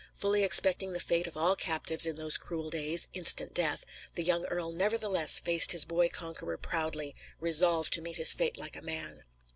Fully expecting the fate of all captives in those cruel days instant death the young earl nevertheless faced his boy conqueror proudly, resolved to meet his fate like a man.